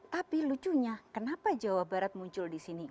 tapi lucunya kenapa jawa barat muncul di sini